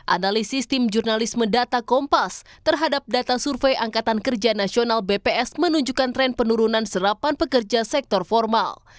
analisis tim jurnalisme data kompas terhadap data survei angkatan kerja nasional bps menunjukkan tren penurunan serapan pekerja sektor formal